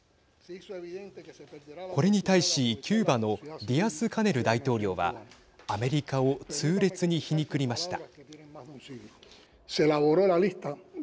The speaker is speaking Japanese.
これに対し、キューバのディアスカネル大統領はアメリカを痛烈に皮肉りました。